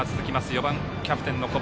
４番、キャプテンの小林。